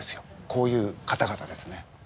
こういう方々ですね。